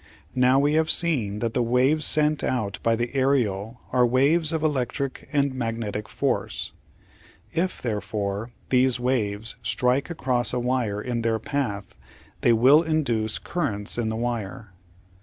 Now we have seen that the waves sent out by the aerial are waves of electric and magnetic force. If, therefore, these waves strike across a wire in their path they will induce currents in this wire.